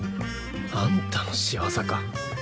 あんたの仕業か。